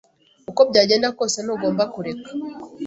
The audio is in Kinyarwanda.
uko byagenda kose, ntugomba kureka.